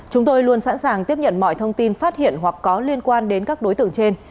chúng tôi luôn sẵn sàng tiếp nhận mọi thông tin phát hiện hoặc có liên quan đến các đối tượng trên